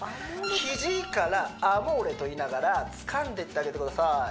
肘からアモーレと言いながらつかんでってあげてください